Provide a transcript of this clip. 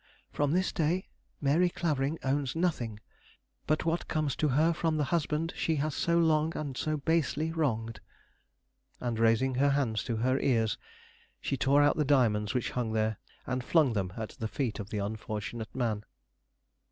From this day, Mary Clavering owns nothing but what comes to her from the husband she has so long and so basely wronged." And raising her hands to her ears, she tore out the diamonds which hung there, and flung them at the feet of the unfortunate man.